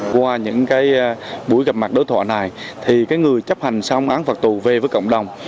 qua những cái buổi gặp mặt đối thoại này thì cái người chấp hành xong án phạt tù về với cộng đồng